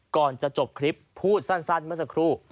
ก่อนจะจบคลิปพูดสั้นเมื่อสักครู่